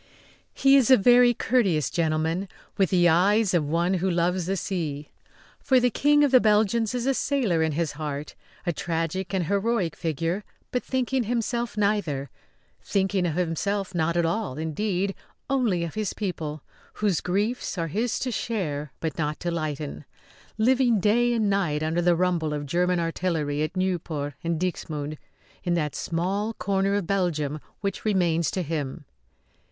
He is a very courteous gentleman, with the eyes of one who loves the sea, for the King of the Belgians is a sailor in his heart; a tragic and heroic figure but thinking himself neither thinking of himself not at all, indeed; only of his people, whose griefs are his to share but not to lighten; living day and night under the rumble of German artillery at Nieuport and Dixmude in that small corner of Belgium which remains to him.